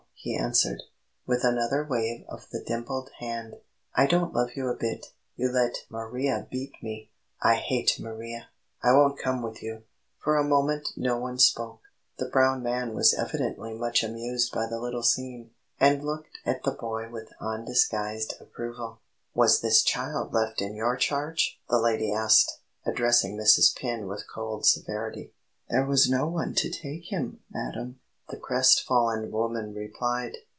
he answered, with another wave of the dimpled hand. "I don't love you a bit! You let Maria beat me. I hate Maria. I won't come with you!" For a moment no one spoke. The brown man was evidently much amused by the little scene, and looked at the boy with undisguised approval. "Was this child left in your charge?" the lady asked, addressing Mrs. Penn with cold severity. "There was no one to take him, madam," the crestfallen woman replied.